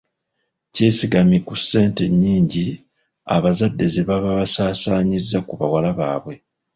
Kyesigamye ku ssente ennyingi abazadde ze baba basaasaanyizza ku bawala baabwe.